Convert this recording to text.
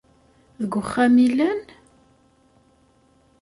Deg uxxam i llan?